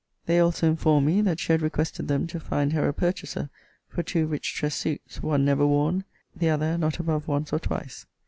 They also informed me, that she had requested them to find her a purchaser for two rich dressed suits; one never worn, the other not above once or twice.